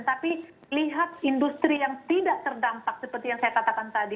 tapi lihat industri yang tidak terdampak seperti yang saya katakan tadi